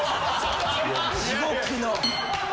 地獄の。